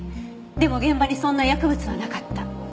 でも現場にそんな薬物はなかった。